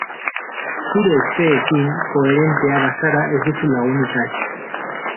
Zure usteekin koherentea bazara ez duzu lagunik galtzen.